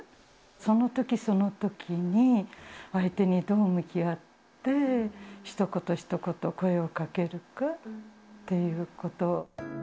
そのときそのときに相手にどう向き合って、ひと言ひと言声をかけるかっていうこと。